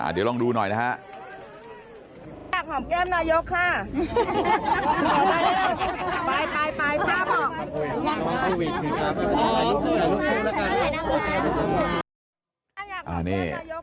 เดี๋ยวลองดูหน่อยนะฮะ